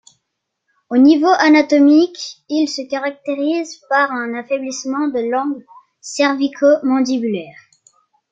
Au niveau anatomique, il se caractérise par un affaiblissement de l'angle cervico-mandibulaire.